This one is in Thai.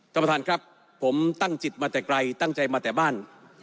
ท่านประธานครับผมตั้งจิตมาแต่ไกลตั้งใจมาแต่บ้าน